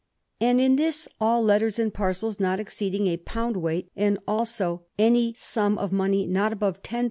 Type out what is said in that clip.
And in this all letters and parcels not exceeding a pound weight, and also any sum of money not above 101.